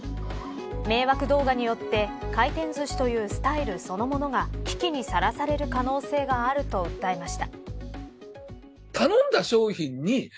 迷惑動画によって回転ずしというスタイルそのものが危機にさらされる可能性があると訴えました。